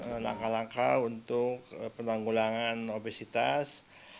kita lakukan langkah langkah untuk penanggulangan obesitas